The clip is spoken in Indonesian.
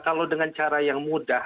kalau dengan cara yang mudah